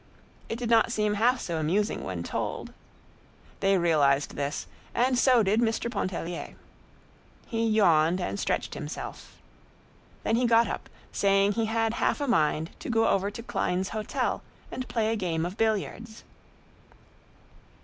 It did not seem half so amusing when told. They realized this, and so did Mr. Pontellier. He yawned and stretched himself. Then he got up, saying he had half a mind to go over to Klein's hotel and play a game of billiards.